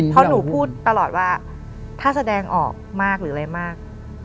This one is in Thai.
เพราะหนูพูดตลอดว่าถ้าแสดงออกมากหรืออะไรมาก